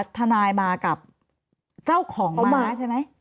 ทนายมากับเจ้าของม้าใช่ไหม